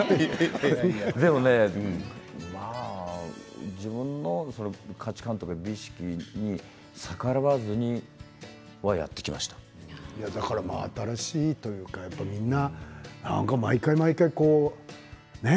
でも自分の価値観とか美意識に逆らわずに新しいというかみんな毎回毎回。